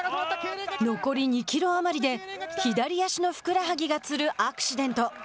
残り２キロ余りで左足のふくらはぎがつるアクシデント。